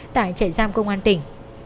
tại trại giam công an tỉnh